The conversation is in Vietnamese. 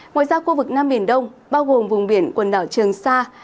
ngoài ra khu vực nam biển đông bao gồm vùng biển quần đảo trường sa